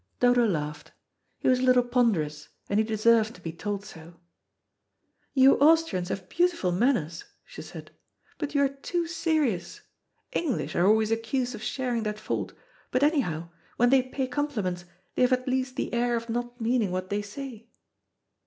Dodo laughed. He was a little ponderous, and he deserved to be told so. "You Austrians have beautiful manners," she said, "but you are too serious. English are always accused of sharing that fault, but anyhow, when they pay compliments, they have at least the air of not meaning what they say."